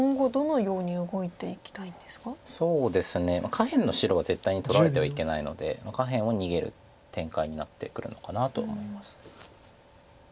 下辺の白は絶対に取られてはいけないので下辺を逃げる展開になってくるのかなと思います。